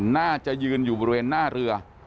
น่าจะยืนอยู่บริเวณหน้าเรือ